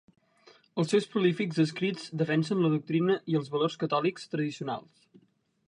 Els seus prolífics escrits defensen la doctrina i els valors catòlics tradicionals.